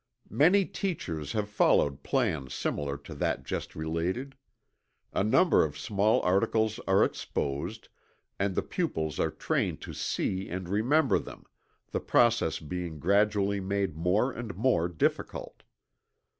Many teachers have followed plans similar to that just related. A number of small articles are exposed, and the pupils are trained to see and remember them, the process being gradually made more and more difficult.